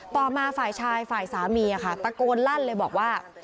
ต่อมาฝ่ายชายฝ่ายสามีตะโกนลั่นเลยบอกว่า